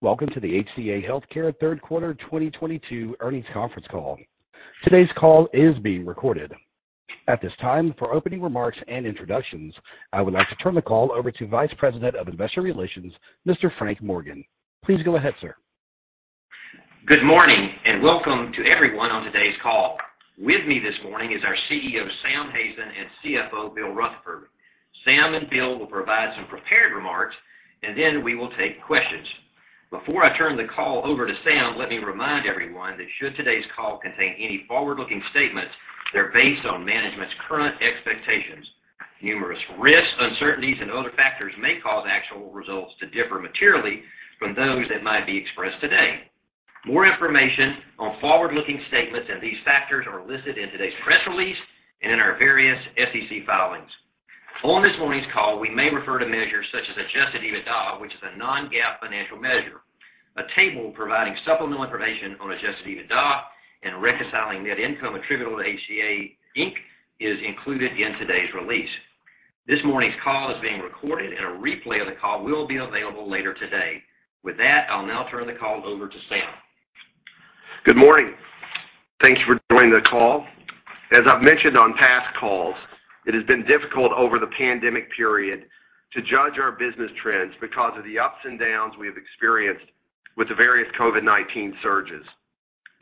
Welcome to the HCA Healthcare Third Quarter 2022 Earnings Conference Call. Today's call is being recorded. At this time, for opening remarks and introductions, I would like to turn the call over to Vice President of Investor Relations, Mr. Frank Morgan. Please go ahead, s Good morning, and welcome to everyone on today's call. With me this morning is our CEO, Sam Hazen, and CFO, Bill Rutherford. Sam and Bill will provide some prepared remarks, and then we will take questions. Before I turn the call over to Sam, let me remind everyone that should today's call contain any forward-looking statements, they're based on management's current expectations. Numerous risks, uncertainties, and other factors may cause actual results to differ materially from those that might be expressed today. More information on forward-looking statements and these factors are listed in today's press release and in our various SEC filings. On this morning's call, we may refer to measures such as adjusted EBITDA, which is a non-GAAP financial measure. A table providing supplemental information on adjusted EBITDA and reconciling net income attributable to HCA Healthcare, Inc. is included in today's release. This morning's call is being recorded, and a replay of the call will be available later today. With that, I'll now turn the call over to Sam. Good morning. Thanks for joining the call. As I've mentioned on past calls, it has been difficult over the pandemic period to judge our business trends because of the ups and downs we have experienced with the various COVID-19 surges.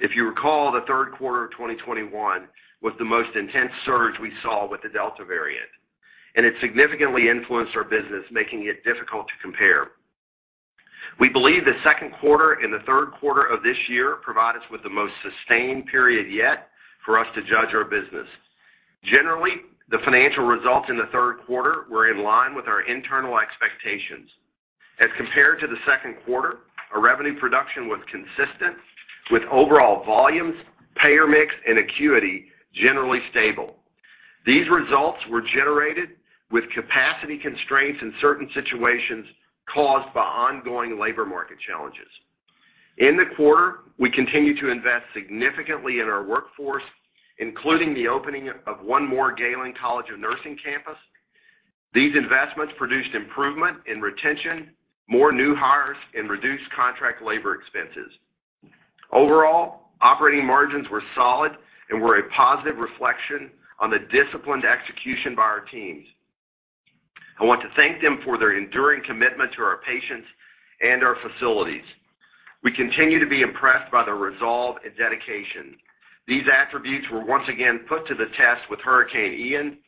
If you recall, the third quarter of 2021 was the most intense surge we saw with the Delta variant, and it significantly influenced our business, making it difficult to compare. We believe the second quarter and the third quarter of this year provide us with the most sustained period yet for us to judge our business. Generally, the financial results in the third quarter were in line with our internal expectations. As compared to the second quarter, our revenue production was consistent, with overall volumes, payer mix, and acuity generally stable. These results were generated with capacity constraints in certain situations caused by ongoing labor market challenges. In the quarter, we continued to invest significantly in our workforce, including the opening of one more Galen College of Nursing campus. These investments produced improvement in retention, more new hires, and reduced contract labor expenses. Overall, operating margins were solid and were a positive reflection on the disciplined execution by our teams. I want to thank them for their enduring commitment to our patients and our facilities. We continue to be impressed by their resolve and dedication. These attributes were once again put to the test with Hurricane Ian.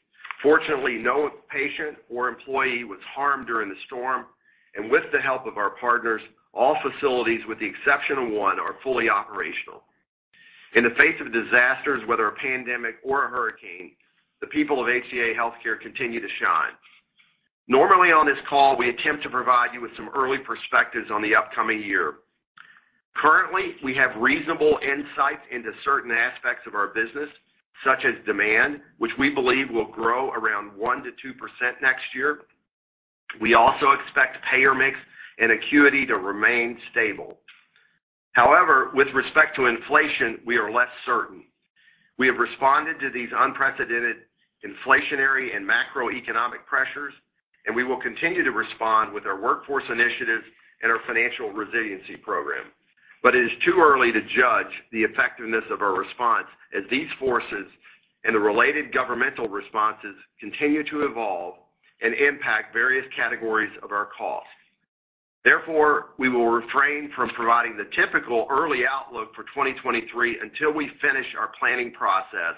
Fortunately, no patient or employee was harmed during the storm, and with the help of our partners, all facilities, with the exception of one, are fully operational. In the face of disasters, whether a pandemic or a hurricane, the people of HCA Healthcare continue to shine. Normally, on this call, we attempt to provide you with some early perspectives on the upcoming year. Currently, we have reasonable insights into certain aspects of our business, such as demand, which we believe will grow around 1%-2% next year. We also expect payer mix and acuity to remain stable. However, with respect to inflation, we are less certain. We have responded to these unprecedented inflationary and macroeconomic pressures, and we will continue to respond with our workforce initiatives and our financial resiliency program. It is too early to judge the effectiveness of our response as these forces and the related governmental responses continue to evolve and impact various categories of our costs. Therefore, we will refrain from providing the typical early outlook for 2023 until we finish our planning process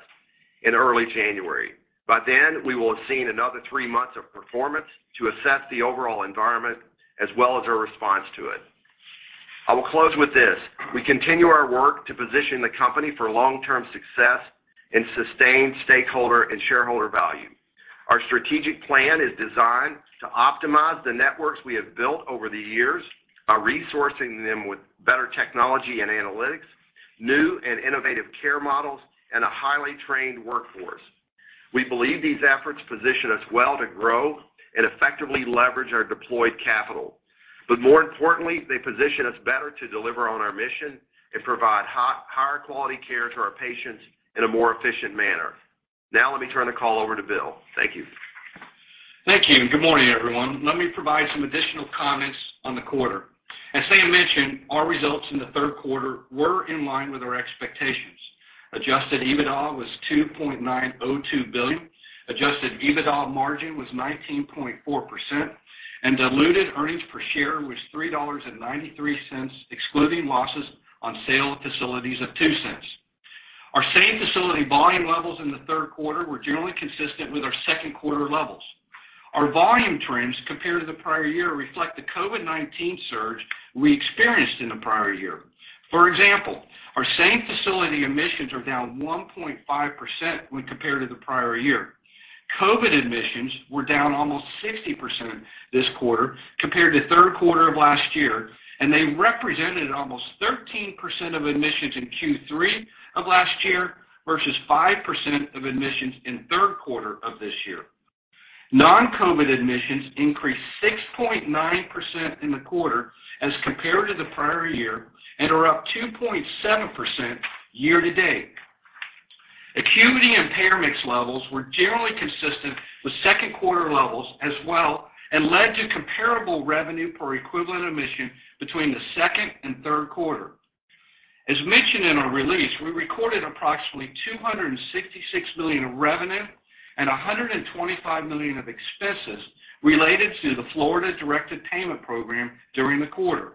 in early January. By then, we will have seen another three months of performance to assess the overall environment as well as our response to it. I will close with this. We continue our work to position the company for long-term success and sustain stakeholder and shareholder value. Our strategic plan is designed to optimize the networks we have built over the years by resourcing them with better technology and analytics, new and innovative care models, and a highly trained workforce. We believe these efforts position us well to grow and effectively leverage our deployed capital. More importantly, they position us better to deliver on our mission and provide higher quality care to our patients in a more efficient manner. Now let me turn the call over to Bill. Thank you. Thank you, and good morning, everyone. Let me provide some additional comments on the quarter. As Sam mentioned, our results in the third quarter were in line with our expectations. Adjusted EBITDA was $2.902 billion. Adjusted EBITDA margin was 19.4%, and diluted earnings per share was $3.93, excluding losses on sale of facilities of $0.02. Our same-facility volume levels in the third quarter were generally consistent with our second quarter levels. Our volume trends compared to the prior year reflect the COVID-19 surge we experienced in the prior year. For example, our same-facility admissions are down 1.5% when compared to the prior year. COVID admissions were down almost 60% this quarter compared to third quarter of last year, and they represented almost 13% of admissions in Q3 of last year versus 5% of admissions in third quarter of this year. Non-COVID admissions increased 6.9% in the quarter as compared to the prior year and are up 2.7% year to date. Acuity and payer mix levels were generally consistent with second quarter levels as well and led to comparable revenue per equivalent admission between the second and third quarter. As mentioned in our release, we recorded approximately $266 million of revenue and $125 million of expenses related to the Florida Directed Payment Program during the quarter.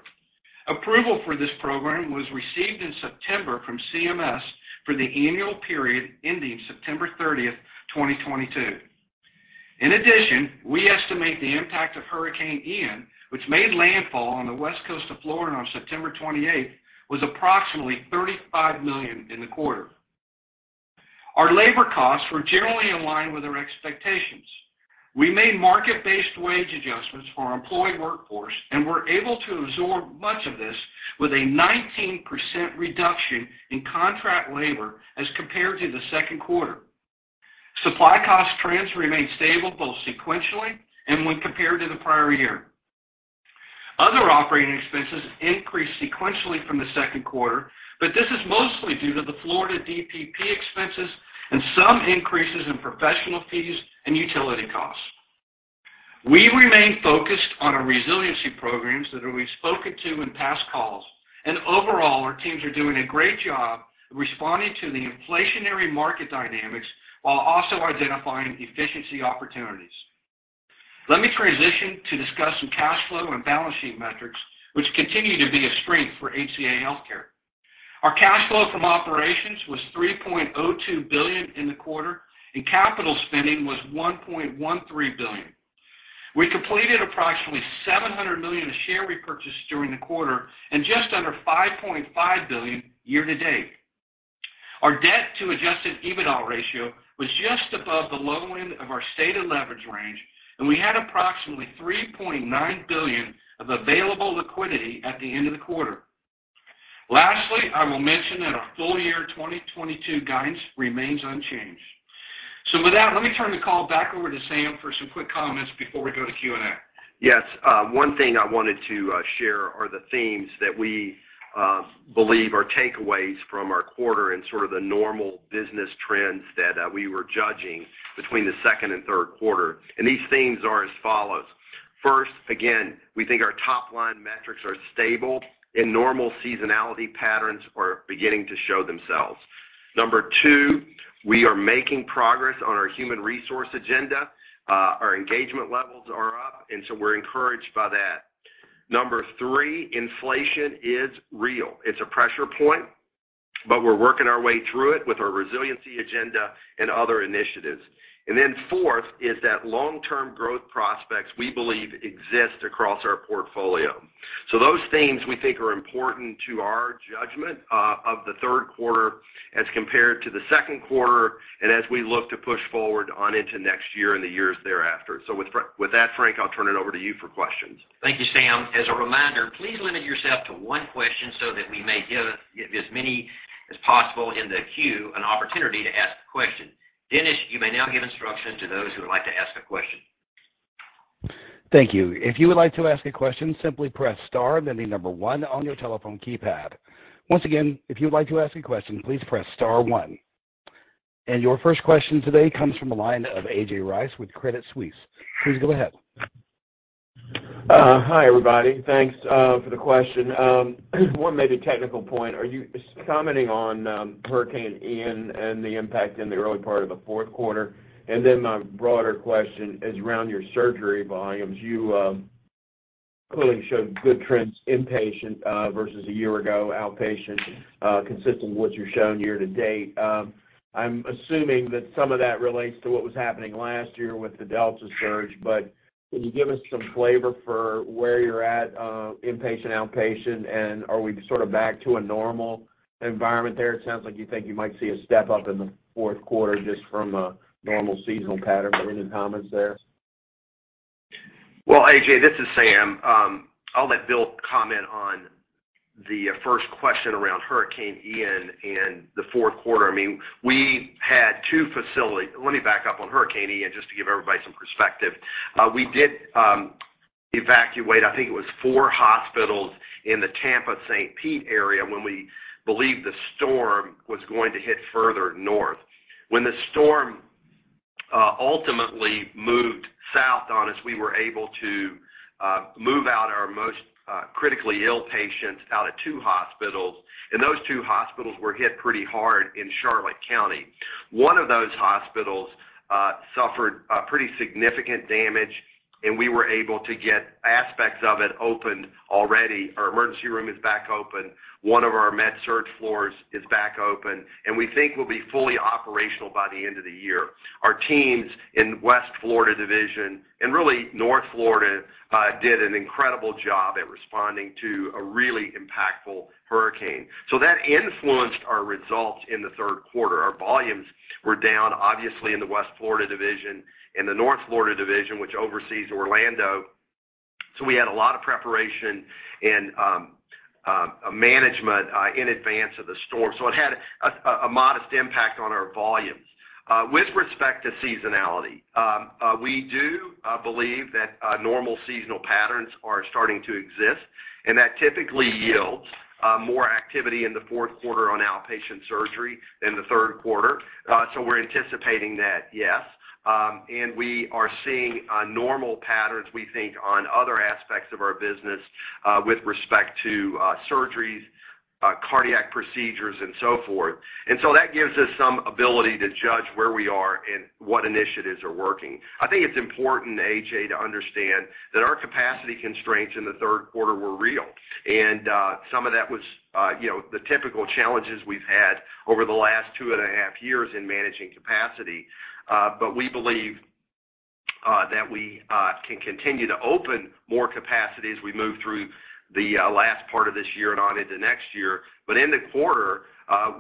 Approval for this program was received in September from CMS for the annual period ending September 30, 2022. In addition, we estimate the impact of Hurricane Ian, which made landfall on the West Coast of Florida on September 28, was approximately $35 million in the quarter. Our labor costs were generally in line with our expectations. We made market-based wage adjustments for our employee workforce, and were able to absorb much of this with a 19% reduction in contract labor as compared to the second quarter. Supply cost trends remained stable both sequentially and when compared to the prior year. Other operating expenses increased sequentially from the second quarter, but this is mostly due to the Florida DPP expenses and some increases in professional fees and utility costs. We remain focused on our resiliency programs that we've spoken to in past calls. Overall, our teams are doing a great job responding to the inflationary market dynamics while also identifying efficiency opportunities. Let me transition to discuss some cash flow and balance sheet metrics, which continue to be a strength for HCA Healthcare. Our cash flow from operations was $3.02 billion in the quarter and capital spending was $1.13 billion. We completed approximately $700 million of share repurchases during the quarter and just under $5.5 billion year-to-date. Our debt to adjusted EBITDA ratio was just above the low end of our stated leverage range, and we had approximately $3.9 billion of available liquidity at the end of the quarter. Lastly, I will mention that our full year 2022 guidance remains unchanged. With that, let me turn the call back over to Sam for some quick comments before we go to Q&A. Yes. One thing I wanted to share are the themes that we believe are takeaways from our quarter and sort of the normal business trends that we were judging between the second and third quarter. These themes are as follows. First, again, we think our top-line metrics are stable, and normal seasonality patterns are beginning to show themselves. Number two, we are making progress on our human resource agenda. Our engagement levels are up, and so we're encouraged by that. Number three, inflation is real. It's a pressure point, but we're working our way through it with our resiliency agenda and other initiatives. Fourth is that long-term growth prospects we believe exist across our portfolio. Those themes we think are important to our judgment of the third quarter as compared to the second quarter and as we look to push forward on into next year and the years thereafter. With that, Frank, I'll turn it over to you for questions. Thank you, Sam. As a reminder, please limit yourself to one question so that we may give as many as possible in the queue an opportunity to ask a question. Dennis, you may now give instructions to those who would like to ask a question. Thank you. If you would like to ask a question, simply press star, then the number one on your telephone keypad. Once again, if you would like to ask a question, please press star one. Your first question today comes from the line of A.J. Rice with Credit Suisse. Please go ahead. Hi, everybody. Thanks for the question. One maybe technical point. Are you commenting on Hurricane Ian and the impact in the early part of the fourth quarter? Then my broader question is around your surgery volumes. You clearly showed good trends inpatient versus a year ago outpatient consistent with what you're showing year to date. I'm assuming that some of that relates to what was happening last year with the Delta surge. Can you give us some flavor for where you're at inpatient, outpatient, and are we sort of back to a normal environment there? It sounds like you think you might see a step up in the fourth quarter just from a normal seasonal pattern. Any comments there? Well, A.J., this is Sam. I'll let Bill comment on the first question around Hurricane Ian and the fourth quarter. I mean, we had two facilities. Let me back up on Hurricane Ian, just to give everybody some perspective. We did evacuate, I think it was four hospitals in the Tampa-St. Pete area when we believed the storm was going to hit further north. When the storm ultimately moved south on us, we were able to move out our most critically ill patients out of two hospitals, and those two hospitals were hit pretty hard in Charlotte County. One of those hospitals suffered pretty significant damage, and we were able to get aspects of it open already. Our emergency room is back open. One of our med-surg floors is back open, and we think we'll be fully operational by the end of the year. Our teams in West Florida division and really North Florida did an incredible job at responding to a really impactful hurricane. That influenced our results in the third quarter. Our volumes were down, obviously in the West Florida division, in the North Florida division, which oversees Orlando. We had a lot of preparation and management in advance of the storm. It had a modest impact on our volume. With respect to seasonality, we do believe that normal seasonal patterns are starting to exist, and that typically yields more activity in the fourth quarter on outpatient surgery than the third quarter. We're anticipating that, yes. We are seeing normal patterns, we think, on other aspects of our business, with respect to surgeries, cardiac procedures, and so forth. That gives us some ability to judge where we are and what initiatives are working. I think it's important, A.J., to understand that our capacity constraints in the third quarter were real. Some of that was you know, the typical challenges we've had over the last two and a half years in managing capacity. We believe that we can continue to open more capacity as we move through the last part of this year and on into next year. In the quarter,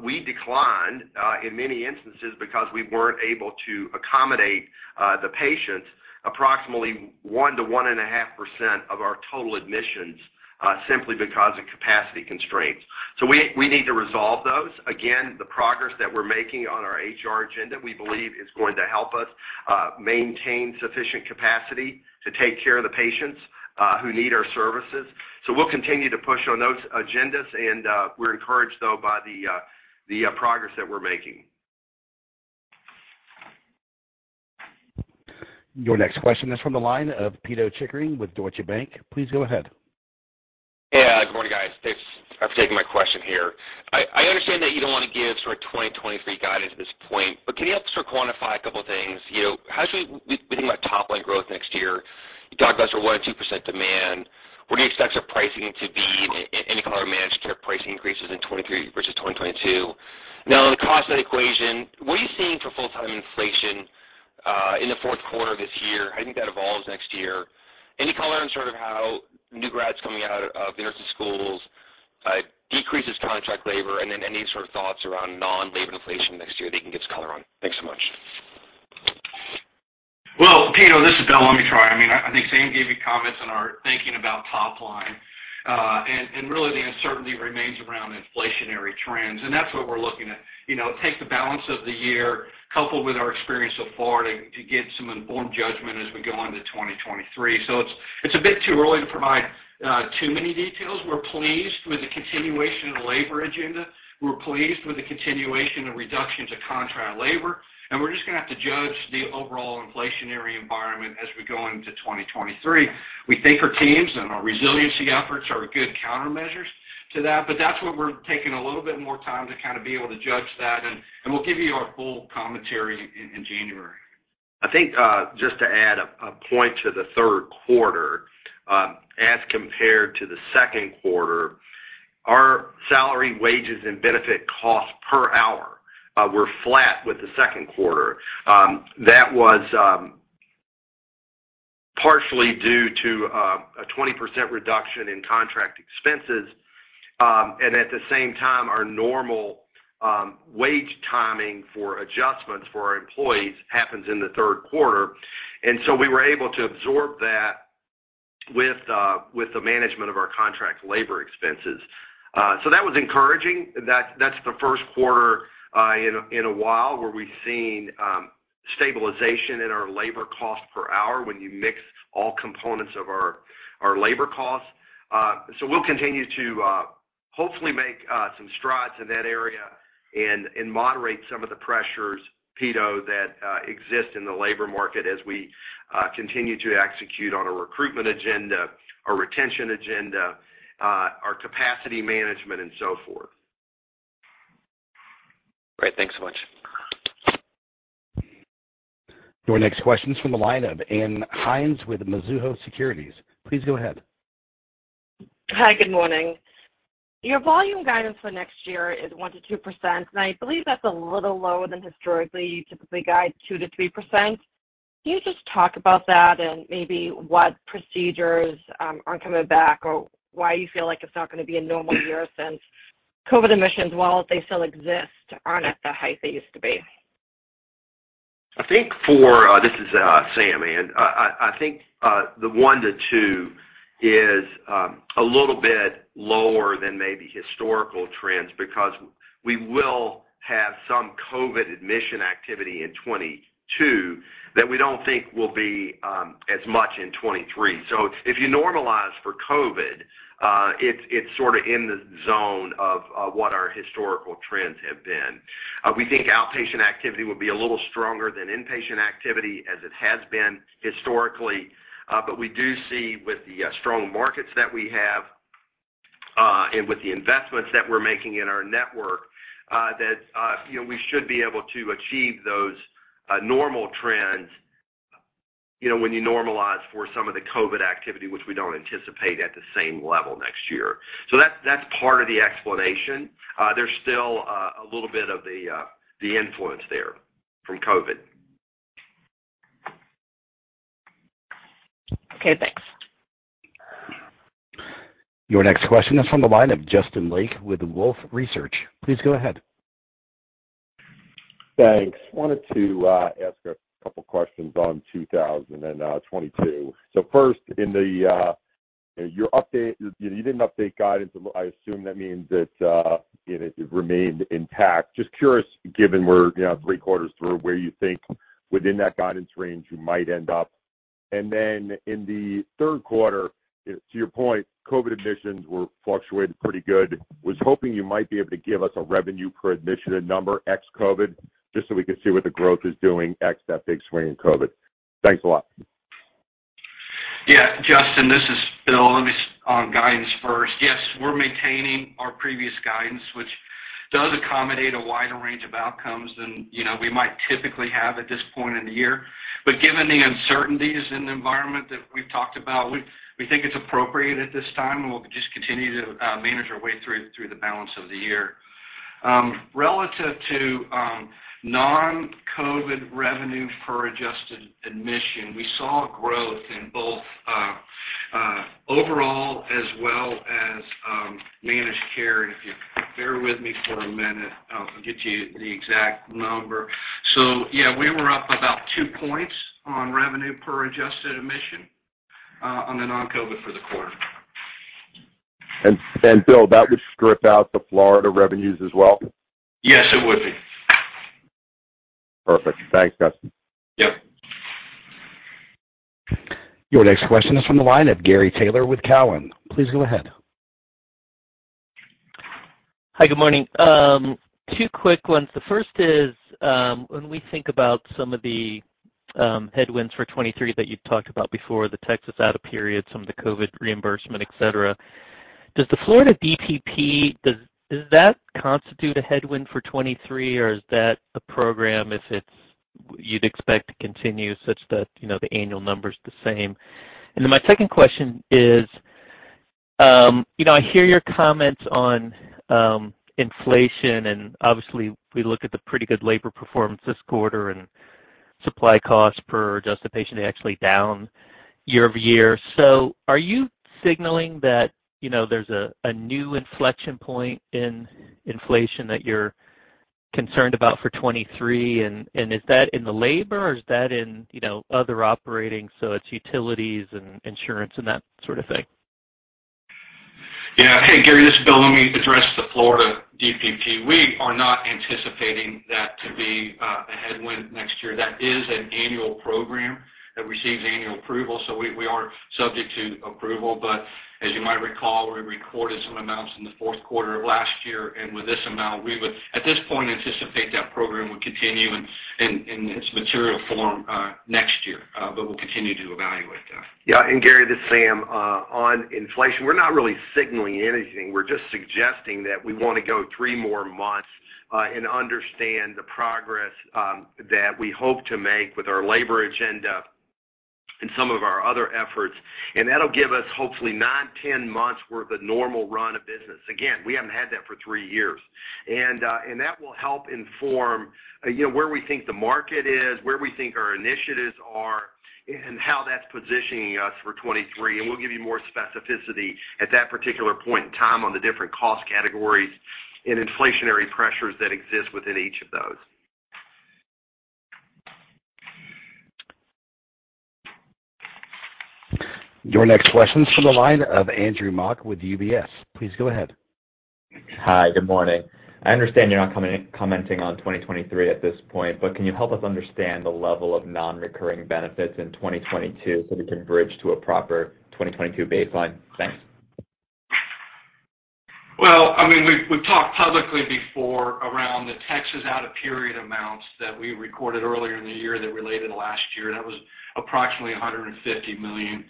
we declined, in many instances because we weren't able to accommodate, the patients, approximately 1%-1.5% of our total admissions, simply because of capacity constraints. We need to resolve those. Again, the progress that we're making on our HR agenda, we believe is going to help us, maintain sufficient capacity to take care of the patients, who need our services. We'll continue to push on those agendas and, we're encouraged, though, by the progress that we're making. Your next question is from the line of Pito Chickering with Deutsche Bank. Please go ahead. Yeah. Good morning, guys. Thanks for taking my question here. I understand that you don't want to give sort of 2023 guidance at this point, but can you help sort of quantify a couple of things? You know, how should we think about top line growth next year. You talked about sort of 1%-2% demand. What are you expecting pricing to be, any color managed care pricing increases in 2023 versus 2022? Now, on the cost side equation, what are you seeing for full-time inflation in the fourth quarter of this year? How do you think that evolves next year? Any color on sort of how new grads coming out of nursing schools decreases contract labor, and then any sort of thoughts around non-labor inflation next year that you can give us color on? Thanks so much. Well, Pito, this is Bill. Let me try. I mean, I think Sam gave you comments on our thinking about top line, and really the uncertainty remains around inflationary trends, and that's what we're looking at. You know, take the balance of the year, coupled with our experience so far to give some informed judgment as we go into 2023. It's a bit too early to provide too many details. We're pleased with the continuation of the labor agenda. We're pleased with the continuation of reductions of contract labor. We're just gonna have to judge the overall inflationary environment as we go into 2023. We think our teams and our resiliency efforts are good countermeasures to that, but that's what we're taking a little bit more time to kind of be able to judge that. We'll give you our full commentary in January. I think just to add a point to the third quarter, as compared to the second quarter, our salary, wages, and benefit costs per hour were flat with the second quarter. That was partially due to a 20% reduction in contract expenses. At the same time, our normal wage timing for adjustments for our employees happens in the third quarter. We were able to absorb that with the management of our contract labor expenses. That was encouraging. That's the first quarter in a while where we've seen stabilization in our labor cost per hour when you mix all components of our labor costs. We'll continue to hopefully make some strides in that area and moderate some of the pressures, Pito, that exist in the labor market as we continue to execute on a recruitment agenda, a retention agenda, our capacity management and so forth. Great. Thanks so much. Your next question is from the line of Ann Hynes with Mizuho Securities. Please go ahead. Hi, good morning. Your volume guidance for next year is 1%-2%, and I believe that's a little lower than historically, you typically guide 2%-3%. Can you just talk about that and maybe what procedures aren't coming back, or why you feel like it's not gonna be a normal year since COVID admissions, while they still exist, aren't at the height they used to be? I think the 1%-2% is a little bit lower than maybe historical trends because we will have some COVID admission activity in 2022 that we don't think will be as much in 2023. If you normalize for COVID, it's sort of in the zone of what our historical trends have been. We think outpatient activity will be a little stronger than inpatient activity as it has been historically. We do see with the strong markets that we have and with the investments that we're making in our network that you know we should be able to achieve those normal trends you know when you normalize for some of the COVID activity which we don't anticipate at the same level next year. That's part of the explanation. There's still a little bit of the influence there from COVID. Okay, thanks. Your next question is on the line of Justin Lake with Wolfe Research. Please go ahead. Thanks. Wanted to ask a couple questions on 2022. First in the, You didn't update guidance. I assume that means that, you know, it remained intact. Just curious, given we're, you know, three quarters through where you think within that guidance range you might end up. Then in the third quarter, you know, to your point, COVID admissions were fluctuating pretty good. Was hoping you might be able to give us a revenue per admission number ex-COVID, just so we can see what the growth is doing ex that big swing in COVID. Thanks a lot. Yeah, Justin, this is Bill. Let me start on guidance first. Yes, we're maintaining our previous guidance, which does accommodate a wider range of outcomes than, you know, we might typically have at this point in the year. Given the uncertainties in the environment that we've talked about, we think it's appropriate at this time, and we'll just continue to manage our way through the balance of the year. Relative to non-COVID revenue per adjusted admission, we saw growth in both overall as well as managed care. If you bear with me for a minute, I'll get you the exact number. Yeah, we were up about 2% on revenue per adjusted admission on the non-COVID for the quarter. Bill, that would strip out the Florida revenues as well? Yes, it would be. Perfect. Thanks, Justin. Yep. Your next question is from the line of Gary Taylor with Cowen. Please go ahead. Hi, good morning. Two quick ones. The first is, when we think about some of the headwinds for 2023 that you've talked about before, the Texas out-of-period, some of the COVID reimbursement, et cetera, does the Florida DPP constitute a headwind for 2023, or is that a program you'd expect to continue such that, you know, the annual number is the same? My second question is, you know, I hear your comments on inflation, and obviously, we look at the pretty good labor performance this quarter and supply costs per adjusted patient is actually down year-over-year. Are you signaling that, you know, there's a new inflection point in inflation that you're concerned about for 2023? Is that in the labor or in, you know, other operating, so it's utilities and insurance and that sort of thing? Yeah. Hey, Gary, this is Bill. Let me address the Florida DPP. We are not anticipating that to be a headwind next year. That is an annual program that receives annual approval, so we are subject to approval. As you might recall, we recorded some amounts in the fourth quarter of last year, and with this amount, we would, at this point, anticipate that program would continue in its material form next year. We'll continue to evaluate that. Yeah. Gary Taylor, this is Sam Hazen. On inflation, we're not really signaling anything. We're just suggesting that we wanna go three more months and understand the progress that we hope to make with our labor agenda and some of our other efforts. That'll give us hopefully nine, ten months worth of normal run of business. Again, we haven't had that for three years. That will help inform, you know, where we think the market is, where we think our initiatives are, and how that's positioning us for 2023. We'll give you more specificity at that particular point in time on the different cost categories and inflationary pressures that exist within each of those. Your next question is from the line of Andrew Mok with UBS. Please go ahead. Hi, good morning. I understand you're not commenting on 2023 at this point, but can you help us understand the level of non-recurring benefits in 2022 so we can bridge to a proper 2022 baseline? Thanks. Well, I mean, we've talked publicly before around the Texas out-of-period amounts that we recorded earlier in the year that related to last year, and that was approximately $150 million.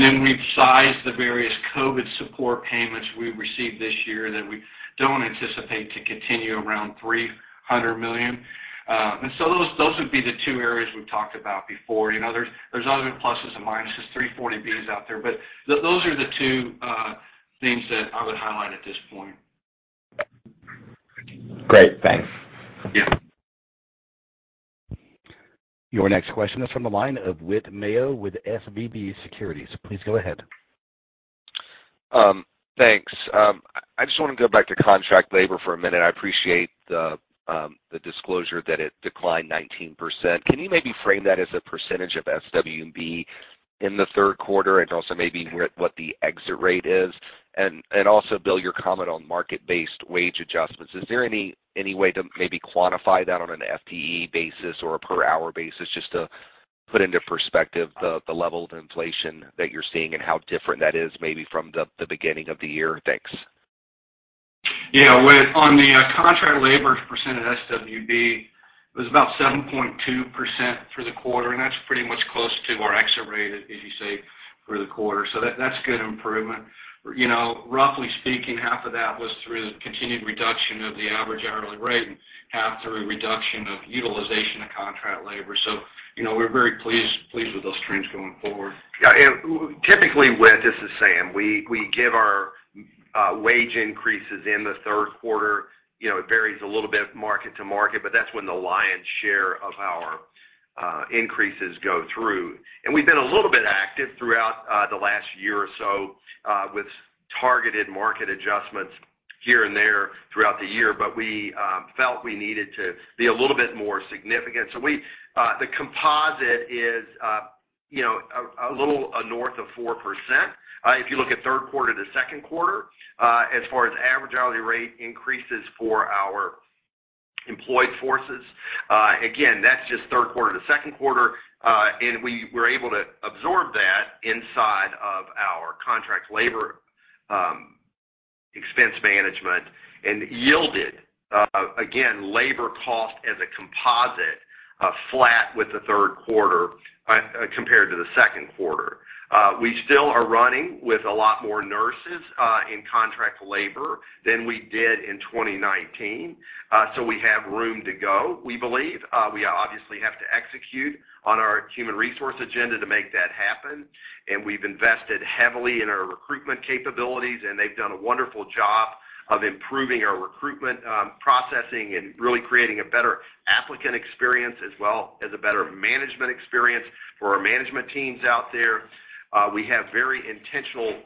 Then we've sized the various COVID support payments we received this year that we don't anticipate to continue around $300 million. Those would be the two areas we've talked about before. You know, there's other pluses and minuses, 340B's out there, but those are the two things that I would highlight at this point. Great. Thanks. Yeah. Your next question is from the line of Whit Mayo with SVB Securities. Please go ahead. Thanks. I just wanna go back to contract labor for a minute. I appreciate the disclosure that it declined 19%. Can you maybe frame that as a percentage of SWB in the third quarter and also maybe hear what the exit rate is? Also, Bill, your comment on market-based wage adjustments, is there any way to maybe quantify that on an FTE basis or a per hour basis just to put into perspective the level of inflation that you're seeing and how different that is maybe from the beginning of the year? Thanks. Yeah. Whit, on the contract labor percentage SWB, it was about 7.2% for the quarter, and that's pretty much close to our exit rate, as you say, for the quarter. That's good improvement. You know, roughly speaking, half of that was through the continued reduction of the average hourly rate and half through reduction of utilization of contract labor. You know, we're very pleased with those trends going forward. Yeah. Typically, Whit, this is Sam. We give our wage increases in the third quarter. You know, it varies a little bit market to market, but that's when the lion's share of our increases go through. We've been a little bit active throughout the last year or so with targeted market adjustments here and there throughout the year, but we felt we needed to be a little bit more significant. The composite is you know a little north of 4%. If you look at third quarter to second quarter as far as average hourly rate increases for our employed workforce. Again, that's just third quarter to second quarter, and we're able to absorb that inside of our contract labor, expense management and yielded again, labor cost as a composite, compared to the second quarter. We still are running with a lot more nurses in contract labor than we did in 2019. So we have room to go, we believe. We obviously have to execute on our human resource agenda to make that happen, and we've invested heavily in our recruitment capabilities, and they've done a wonderful job of improving our recruitment processing and really creating a better applicant experience as well as a better management experience for our management teams out there. We have very intentional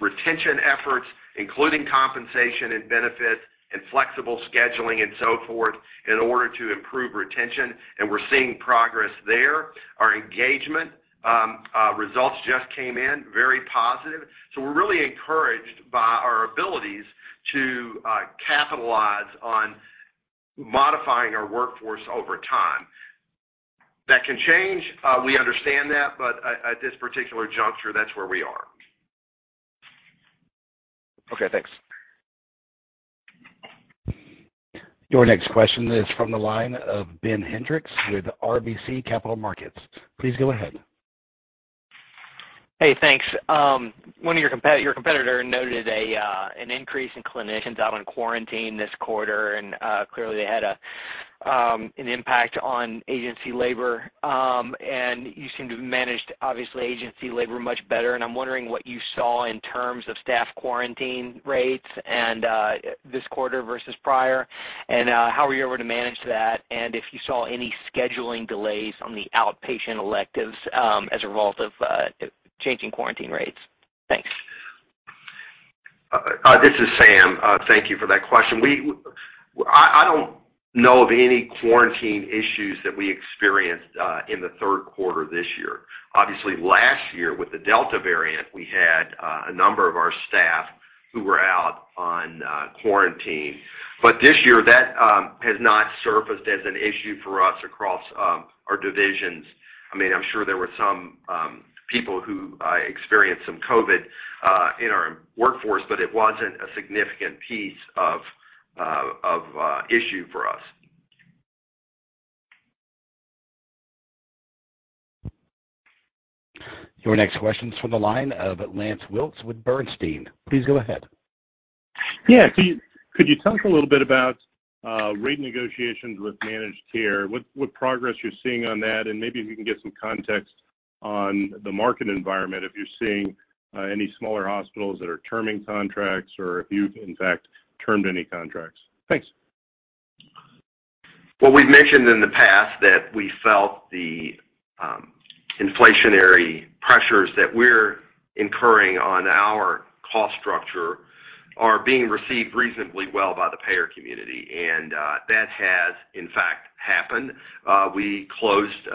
retention efforts, including compensation and benefits and flexible scheduling and so forth in order to improve retention, and we're seeing progress there. Our engagement results just came in very positive. We're really encouraged by our abilities to capitalize on modifying our workforce over time. That can change, we understand that, but at this particular juncture, that's where we are. Okay, thanks. Your next question is from the line of Ben Hendrix with RBC Capital Markets. Please go ahead. Hey, thanks. One of your competitor noted an increase in clinicians out on quarantine this quarter, and clearly they had an impact on agency labor. And you seem to have managed, obviously, agency labor much better, and I'm wondering what you saw in terms of staff quarantine rates and this quarter versus prior, and how were you able to manage that, and if you saw any scheduling delays on the outpatient electives, as a result of changing quarantine rates? Thanks. This is Sam. Thank you for that question. I don't know of any quarantine issues that we experienced in the third quarter this year. Obviously, last year with the Delta variant, we had a number of our staff who were out on quarantine. This year, that has not surfaced as an issue for us across our divisions. I mean, I'm sure there were some people who experienced some COVID in our workforce, but it wasn't a significant piece of issue for us. Your next question is from the line of Lance Wilkes with Bernstein. Please go ahead. Yeah. Could you talk a little bit about rate negotiations with managed care, what progress you're seeing on that, and maybe if you can get some context on the market environment, if you're seeing any smaller hospitals that are terming contracts or if you've in fact termed any contracts. Thanks. Well, we've mentioned in the past that we felt the inflationary pressures that we're incurring on our cost structure are being received reasonably well by the payer community, and that has in fact happened. We closed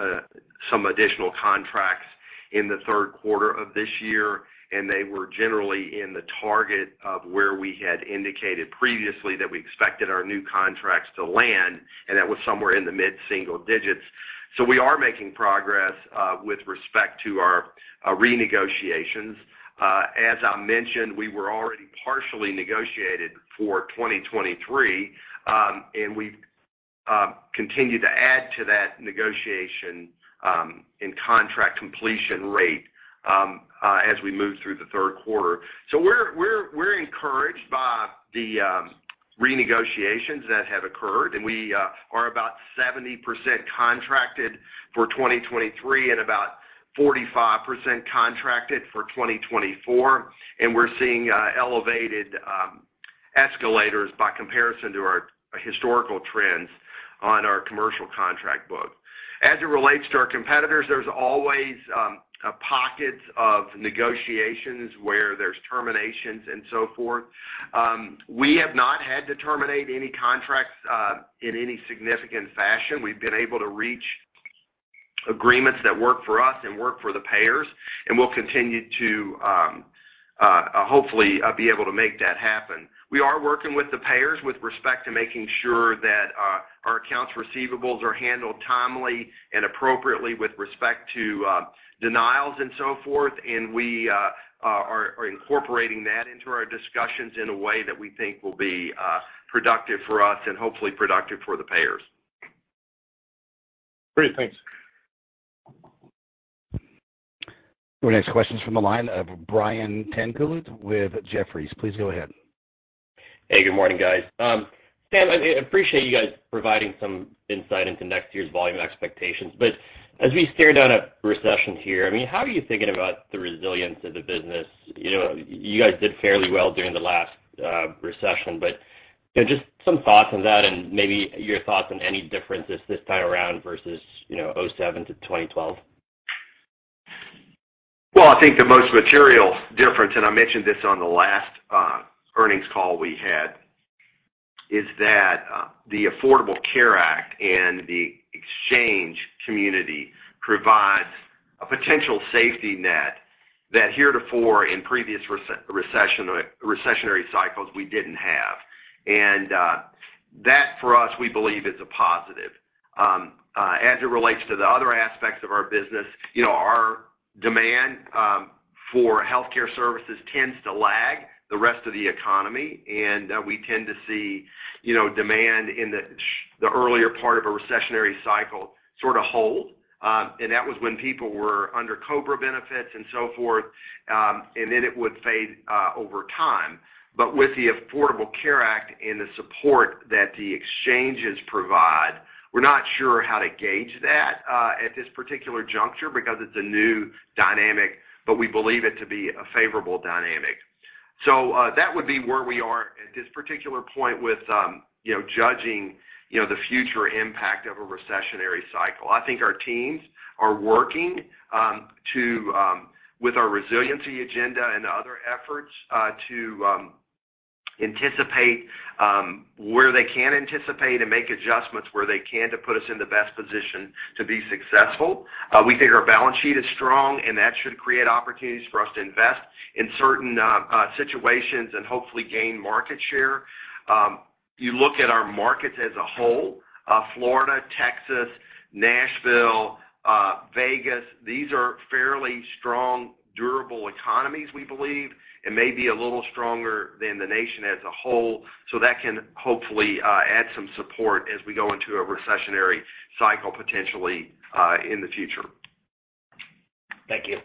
some additional contracts in the third quarter of this year, and they were generally in the target of where we had indicated previously that we expected our new contracts to land, and that was somewhere in the mid-single digits. We are making progress with respect to our renegotiations. As I mentioned, we were already partially negotiated for 2023, and we've continued to add to that negotiation and contract completion rate as we move through the third quarter. We're encouraged by the renegotiations that have occurred, and we are about 70% contracted for 2023 and about 45% contracted for 2024, and we're seeing elevated escalators by comparison to our historical trends on our commercial contract book. As it relates to our competitors, there's always pockets of negotiations where there's terminations and so forth. We have not had to terminate any contracts in any significant fashion. We've been able to reach agreements that work for us and work for the payers, and we'll continue to hopefully be able to make that happen. We are working with the payers with respect to making sure that our accounts receivables are handled timely and appropriately with respect to denials and so forth. We are incorporating that into our discussions in a way that we think will be productive for us and hopefully productive for the payers. Great. Thanks. Our next question is from the line of Brian Tanquilut with Jefferies. Please go ahead. Hey, good morning, guys. Sam, I appreciate you guys providing some insight into next year's volume expectations. As we stare down a recession here, I mean, how are you thinking about the resilience of the business? You know, you guys did fairly well during the last recession, but you know, just some thoughts on that and maybe your thoughts on any differences this time around versus, you know, 2007 to 2012. Well, I think the most material difference, and I mentioned this on the last earnings call we had, is that the Affordable Care Act and the exchange community provides a potential safety net that heretofore in previous recessionary cycles we didn't have. That for us, we believe is a positive. As it relates to the other aspects of our business, you know, our demand for healthcare services tends to lag the rest of the economy, and we tend to see, you know, demand in the earlier part of a recessionary cycle sort of hold. That was when people were under COBRA benefits and so forth, and then it would fade over time. With the Affordable Care Act and the support that the exchanges provide, we're not sure how to gauge that at this particular juncture because it's a new dynamic, but we believe it to be a favorable dynamic. That would be where we are at this particular point with you know judging you know the future impact of a recessionary cycle. I think our teams are working with our resiliency agenda and other efforts to anticipate where they can anticipate and make adjustments where they can to put us in the best position to be successful. We think our balance sheet is strong, and that should create opportunities for us to invest in certain situations and hopefully gain market share. You look at our markets as a whole, Florida, Texas, Nashville, Vegas, these are fairly strong, durable economies, we believe, and may be a little stronger than the nation as a whole. That can hopefully add some support as we go into a recessionary cycle potentially in the future. Thank you.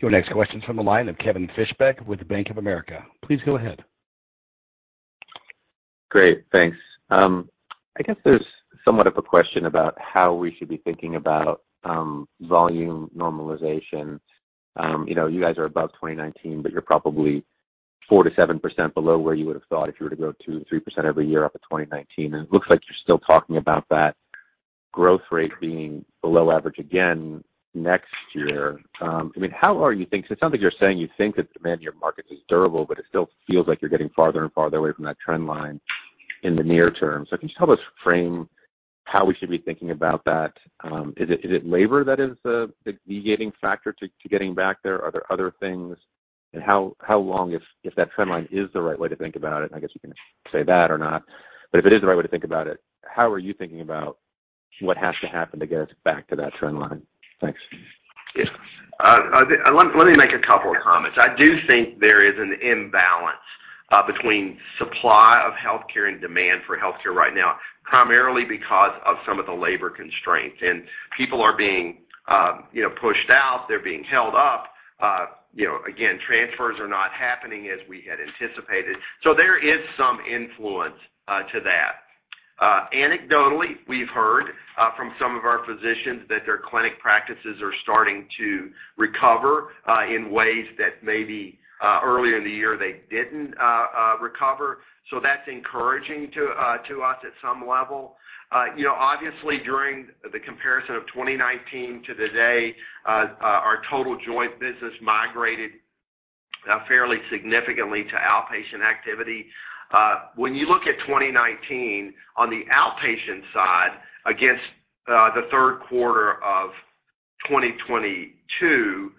Your next question's from the line of Kevin Fischbeck with Bank of America. Please go ahead. Great. Thanks. I guess there's somewhat of a question about how we should be thinking about volume normalization. You know, you guys are above 2019, but you're probably 4%-7% below where you would have thought if you were to grow 2%-3% every year up to 2019. It looks like you're still talking about that growth rate being below average again next year. I mean, it sounds like you're saying you think that demand in your market is durable, but it still feels like you're getting farther and farther away from that trend line in the near term. Can you just help us frame how we should be thinking about that? Is it labor that is the mitigating factor to getting back there? Are there other things? How long, if that trend line is the right way to think about it? I guess you can say that or not. If it is the right way to think about it, how are you thinking about what has to happen to get us back to that trend line? Thanks. Yes. Let me make a couple of comments. I do think there is an imbalance between supply of healthcare and demand for healthcare right now, primarily because of some of the labor constraints. People are being, you know, pushed out. They're being held up. You know, again, transfers are not happening as we had anticipated. There is some influence to that. Anecdotally, we've heard from some of our physicians that their clinic practices are starting to recover in ways that maybe earlier in the year they didn't recover. That's encouraging to us at some level. You know, obviously during the comparison of 2019 to today, our total joint business migrated fairly significantly to outpatient activity. When you look at 2019 on the outpatient side against the third quarter of 2022,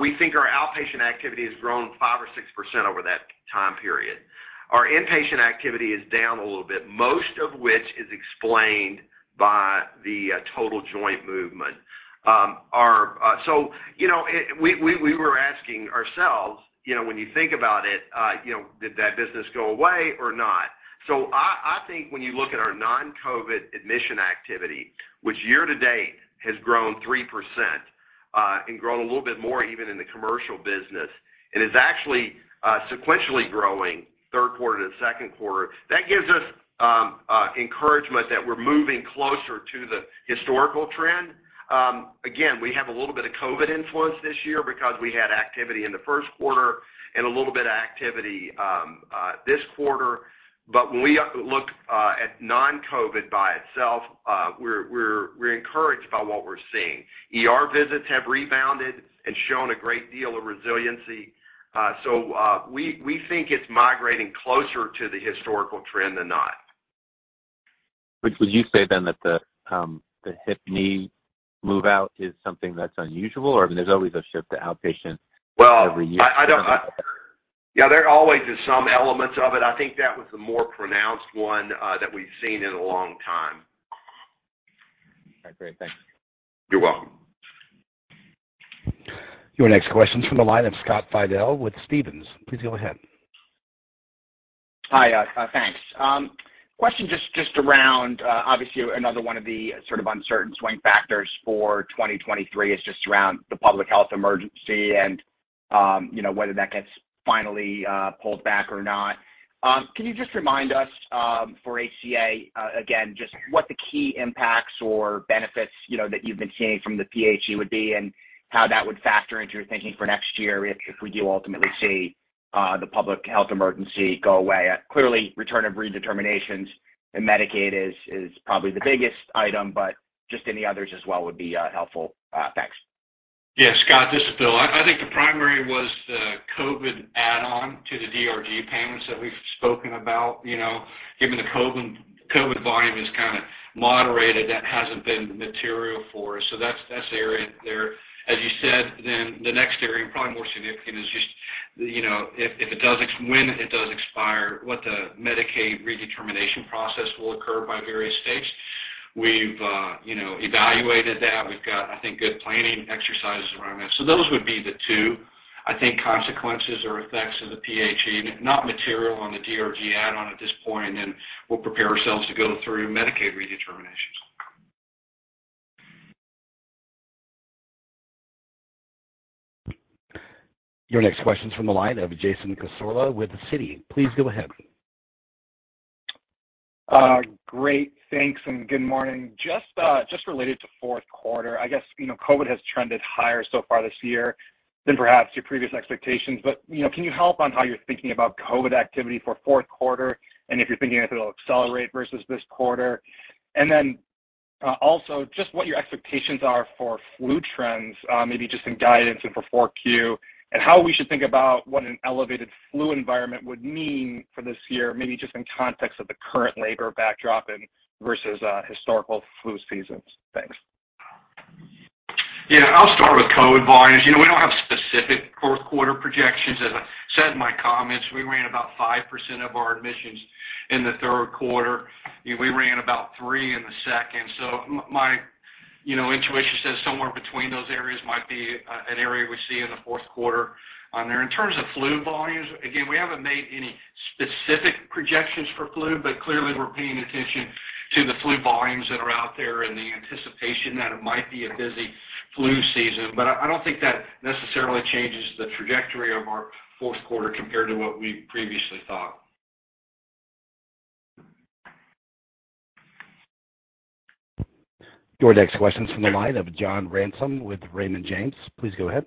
we think our outpatient activity has grown 5%-6% over that time period. Our inpatient activity is down a little bit, most of which is explained by the total joint movement. You know, we were asking ourselves, you know, when you think about it, you know, did that business go away or not? I think when you look at our non-COVID admission activity, which year to date has grown 3%, and grown a little bit more even in the commercial business and is actually sequentially growing third quarter to second quarter, that gives us encouragement that we're moving closer to the historical trend. Again, we have a little bit of COVID influence this year because we had activity in the first quarter and a little bit of activity this quarter. When we look at non-COVID by itself, we're encouraged by what we're seeing. ER visits have rebounded and shown a great deal of resiliency. We think it's migrating closer to the historical trend than not. Would you say then that the hip knee move out is something that's unusual, or I mean, there's always a shift to outpatient every year? Well, yeah, there always is some element of it. I think that was the more pronounced one that we've seen in a long time. All right, great. Thank you. You're welcome. Your next question's from the line of Scott Fidel with Stephens. Please go ahead. Hi. Thanks. Question just around obviously another one of the sort of uncertain swing factors for 2023 is just around the public health emergency and you know whether that gets finally pulled back or not. Can you just remind us for HCA again just what the key impacts or benefits you know that you've been seeing from the PHE would be and how that would factor into your thinking for next year if we do ultimately see the public health emergency go away. Clearly return of redeterminations in Medicaid is probably the biggest item, but just any others as well would be helpful. Thanks. Yeah, Scott, this is Bill. I think the primary was the COVID add-on to the DRG payments that we've spoken about. You know, given the COVID volume is kinda moderated, that hasn't been material for us. That's the area there. As you said, then the next area, and probably more significant is just, you know, if it does expire, what the Medicaid redetermination process will occur by various states. We've, you know, evaluated that. We've got, I think, good planning exercises around that. Those would be the two, I think, consequences or effects of the PHE, not material on the DRG add-on at this point, and then we'll prepare ourselves to go through Medicaid redeterminations. Your next question's from the line of Jason Cassorla with Citi. Please go ahead. Great. Thanks, and good morning. Just related to fourth quarter, I guess, you know, COVID has trended higher so far this year than perhaps your previous expectations. You know, can you help on how you're thinking about COVID activity for fourth quarter, and if you're thinking it'll accelerate versus this quarter? Then, also just what your expectations are for flu trends, maybe just some guidance for 4Q, and how we should think about what an elevated flu environment would mean for this year, maybe just in context of the current labor backdrop and versus historical flu seasons. Thanks. Yeah. I'll start with COVID volumes. You know, we don't have specific fourth quarter projections. As I said in my comments, we ran about 5% of our admissions in the third quarter. We ran about 3% in the second. My, you know, intuition says somewhere between those areas might be a, an area we see in the fourth quarter on there. In terms of flu volumes, again, we haven't made any specific projections for flu, but clearly we're paying attention to the flu volumes that are out there and the anticipation that it might be a busy flu season. I don't think that necessarily changes the trajectory of our fourth quarter compared to what we previously thought. Your next question's from the line of John Ransom with Raymond James. Please go ahead.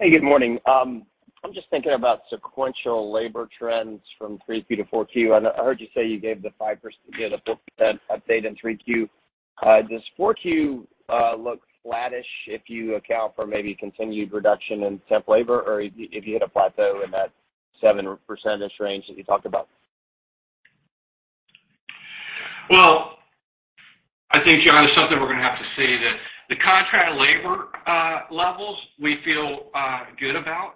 Hey, good morning. I'm just thinking about sequential labor trends from 3Q to 4Q. I heard you say you gave the 5%—you know, the 4% update in 3Q. Does 4Q look flattish if you account for maybe continued reduction in temp labor, or if you hit a plateau in that 7% range that you talked about? Well, I think, John, it's something we're gonna have to see. The contract labor levels we feel good about.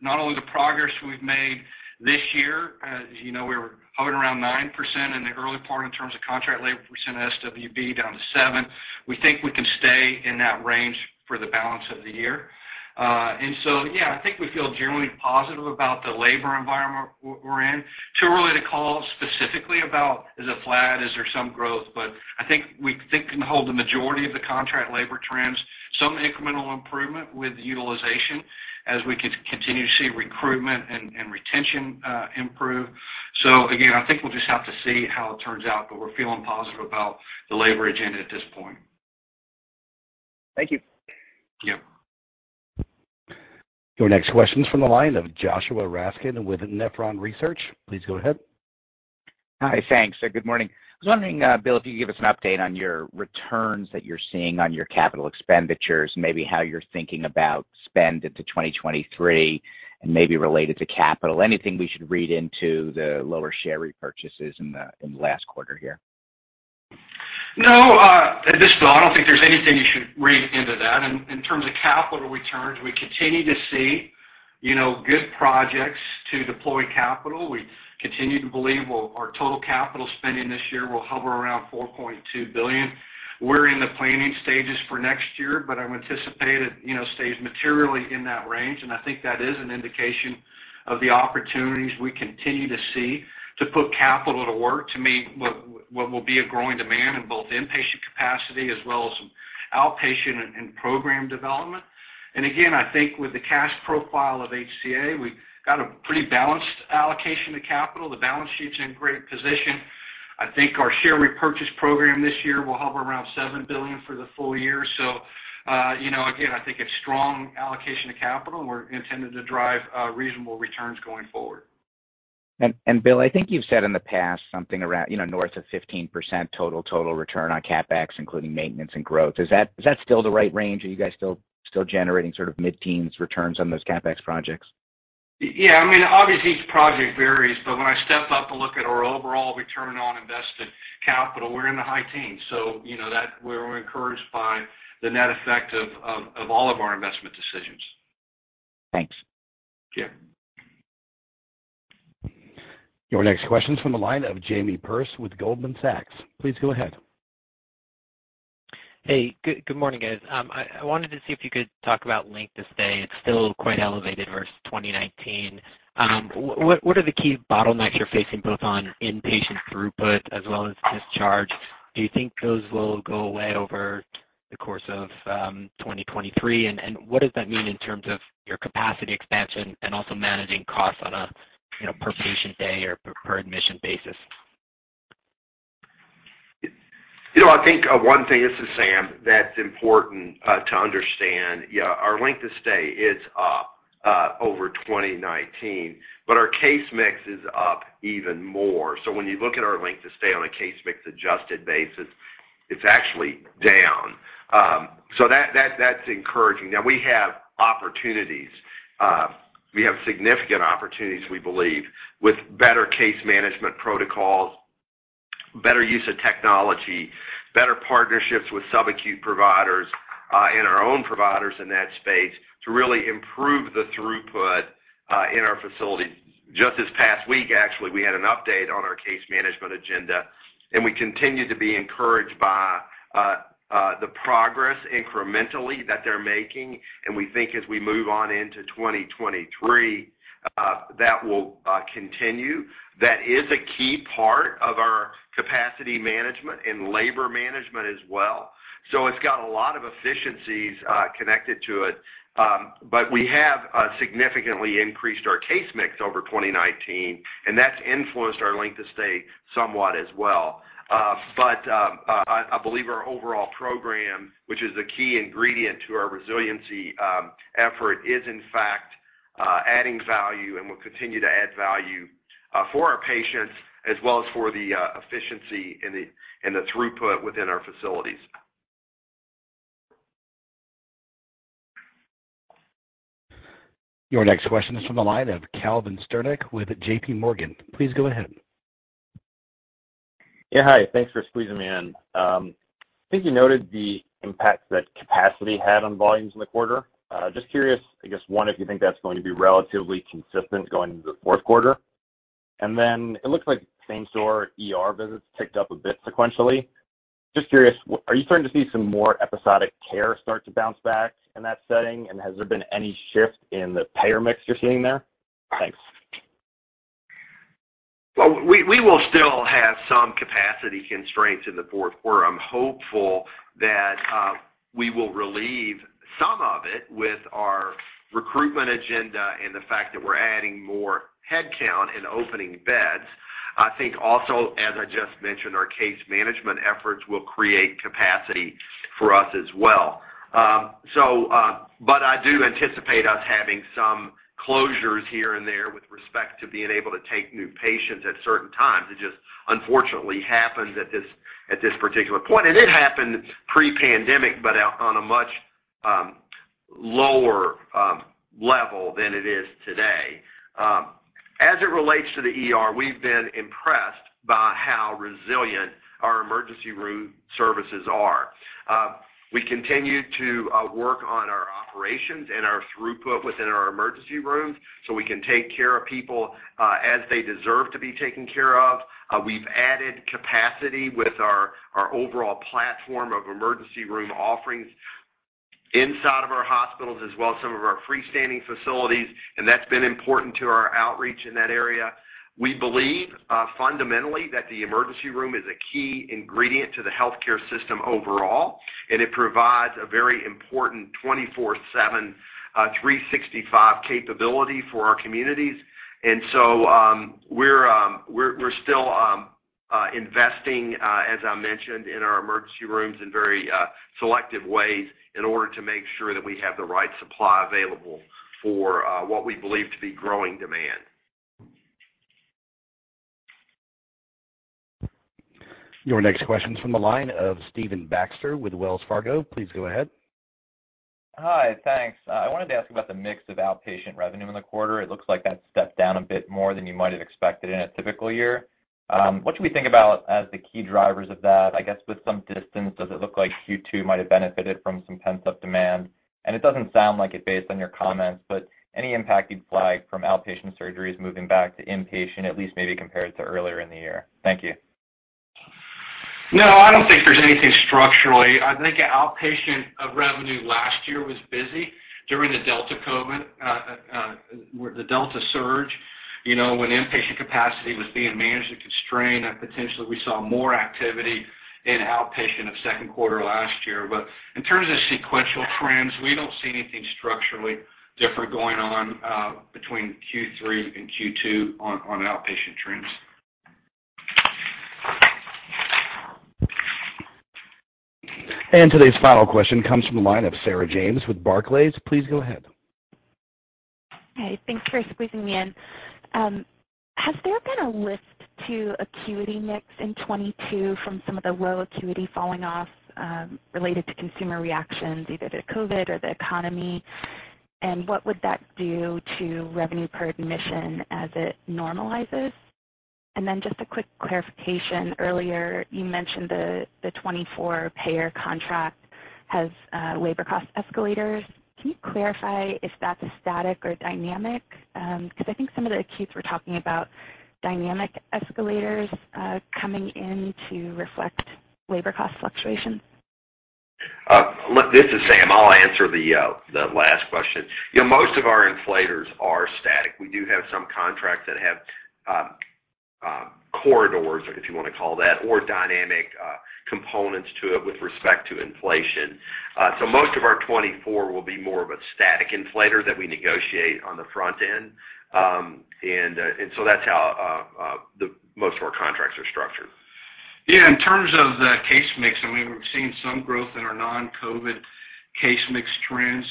Not only the progress we've made this year, as you know, we were hovering around 9% in the early part in terms of contract labor percent of SWB down to 7%. We think we can stay in that range for the balance of the year. Yeah, I think we feel generally positive about the labor environment we're in. Too early to call specifically about is it flat, is there some growth, but I think we think can hold the majority of the contract labor trends, some incremental improvement with utilization as we continue to see recruitment and retention improve. Again, I think we'll just have to see how it turns out, but we're feeling positive about the labor agenda at this point. Thank you. Yeah. Your next question is from the line of Joshua Raskin with Nephron Research. Please go ahead. Hi. Thanks. Good morning. I was wondering, Bill, if you could give us an update on your returns that you're seeing on your capital expenditures, maybe how you're thinking about spend into 2023 and maybe related to capital. Anything we should read into the lower share repurchases in the last quarter here? No, this is Bill. I don't think there's anything you should read into that. In terms of capital returns, we continue to see, you know, good projects to deploy capital. We continue to believe we'll our total capital spending this year will hover around $4.2 billion. We're in the planning stages for next year, but I would anticipate it, you know, stays materially in that range, and I think that is an indication of the opportunities we continue to see to put capital to work to meet what will be a growing demand in both inpatient capacity as well as some outpatient and program development. Again, I think with the cash profile of HCA, we've got a pretty balanced allocation to capital. The balance sheet's in great position. I think our share repurchase program this year will hover around $7 billion for the full year. You know, again, I think a strong allocation of capital, and we're intending to drive reasonable returns going forward. Bill, I think you've said in the past something around, you know, north of 15% total return on CapEx, including maintenance and growth. Is that still the right range? Are you guys still generating sort of mid-teens returns on those CapEx projects? Yeah. I mean, obviously each project varies, but when I step up to look at our overall return on invested capital, we're in the high teens. You know, we're encouraged by the net effect of all of our investment decisions. Thanks. Yeah. Your next question's from the line of Jamie Perse with Goldman Sachs. Please go ahead. Hey. Good morning, guys. I wanted to see if you could talk about length of stay. It's still quite elevated versus 2019. What are the key bottlenecks you're facing both on inpatient throughput as well as discharge? Do you think those will go away over the course of 2023? What does that mean in terms of your capacity expansion and also managing costs on a, you know, per patient day or per admission basis? You know, I think one thing, this is Sam, that's important to understand, yeah, our length of stay is up over 2019, but our case mix is up even more. When you look at our length of stay on a case mix adjusted basis, it's actually down. That's encouraging. Now we have significant opportunities we believe with better case management protocols, better use of technology, better partnerships with subacute providers and our own providers in that space to really improve the throughput in our facilities. Just this past week, actually, we had an update on our case management agenda, and we continue to be encouraged by the progress incrementally that they're making. We think as we move on into 2023, that will continue. That is a key part of our capacity management and labor management as well. It's got a lot of efficiencies connected to it. We have significantly increased our case mix over 2019, and that's influenced our length of stay somewhat as well. I believe our overall program, which is the key ingredient to our resiliency effort, is in fact adding value and will continue to add value for our patients as well as for the efficiency and the throughput within our facilities. Your next question is from the line of Calvin Sternick with JP Morgan. Please go ahead. Yeah, hi. Thanks for squeezing me in. I think you noted the impact that capacity had on volumes in the quarter. Just curious, I guess, one, if you think that's going to be relatively consistent going into the fourth quarter. It looks like same store ER visits ticked up a bit sequentially. Just curious, are you starting to see some more episodic care start to bounce back in that setting? Has there been any shift in the payer mix you're seeing there? Thanks. Well, we will still have some capacity constraints in the fourth quarter. I'm hopeful that we will relieve some of it with our recruitment agenda and the fact that we're adding more headcount and opening beds. I think also, as I just mentioned, our case management efforts will create capacity for us as well. I do anticipate us having some closures here and there with respect to being able to take new patients at certain times. It just unfortunately happens at this particular point. It happened pre-pandemic, but on a much lower level than it is today. As it relates to the ER, we've been impressed by how resilient our emergency room services are. We continue to work on our operations and our throughput within our emergency rooms, so we can take care of people as they deserve to be taken care of. We've added capacity with our overall platform of emergency room offerings inside of our hospitals as well as some of our freestanding facilities, and that's been important to our outreach in that area. We believe fundamentally that the emergency room is a key ingredient to the healthcare system overall, and it provides a very important 24/7 365 capability for our communities. We're still investing, as I mentioned, in our emergency rooms in very selective ways in order to make sure that we have the right supply available for what we believe to be growing demand. Your next question is from the line of Stephen Baxter with Wells Fargo. Please go ahead. Hi. Thanks. I wanted to ask about the mix of outpatient revenue in the quarter. It looks like that stepped down a bit more than you might have expected in a typical year. What should we think about as the key drivers of that? I guess with some distance, does it look like Q2 might have benefited from some pent-up demand? It doesn't sound like it based on your comments, but any impact you'd flag from outpatient surgeries moving back to inpatient, at least maybe compared to earlier in the year? Thank you. No, I don't think there's anything structurally. I think the outpatient revenue last year was busy during the Delta surge, you know, when inpatient capacity was being managed and constrained, and potentially we saw more activity in outpatient of second quarter last year. In terms of sequential trends, we don't see anything structurally different going on between Q3 and Q2 on outpatient trends. Today's final question comes from the line of Sarah James with Barclays. Please go ahead. Hi. Thanks for squeezing me in. Has there been a lift to acuity mix in 2022 from some of the low acuity falling off, related to consumer reactions either to COVID or the economy? What would that do to revenue per admission as it normalizes? Then just a quick clarification. Earlier, you mentioned the 2024 payer contract has labor cost escalators. Can you clarify if that's a static or dynamic? Because I think some of the acute we're talking about dynamic escalators coming in to reflect labor cost fluctuations. Look, this is Sam. I'll answer the last question. You know, most of our inflators are static. We do have some contracts that have corridors, if you wanna call that, or dynamic components to it with respect to inflation. So most of our 2024 will be more of a static inflator that we negotiate on the front end. And so that's how most of our contracts are structured. Yeah, in terms of the case mix, I mean, we've seen some growth in our non-COVID case mix trends.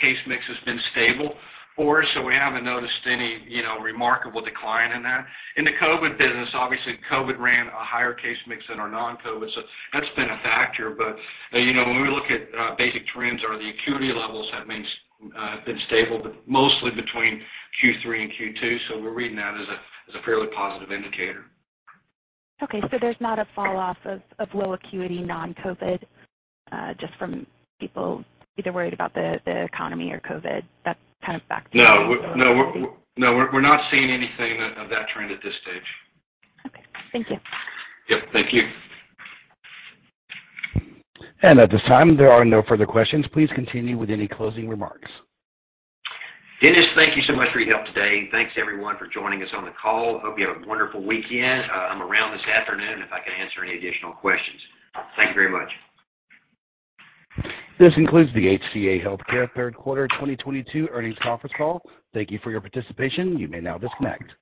Case mix has been stable for us, so we haven't noticed any, you know, remarkable decline in that. In the COVID business, obviously COVID ran a higher case mix than our non-COVID, so that's been a factor. You know, when we look at basic trends or the acuity levels, that means been stable, but mostly between Q3 and Q2, so we're reading that as a fairly positive indicator. Okay. There's not a fall off of low acuity non-COVID just from people either worried about the economy or COVID. That's kind of back to. No, we're not seeing anything of that trend at this stage. Okay. Thank you. Yep. Thank you. At this time, there are no further questions. Please continue with any closing remarks. Dennis, thank you so much for your help today. Thanks everyone for joining us on the call. Hope you have a wonderful weekend. I'm around this afternoon if I can answer any additional questions. Thank you very much This concludes the HCA Healthcare Third Quarter 2022 Earnings Conference Call. Thank you for your participation. You may now disconnect.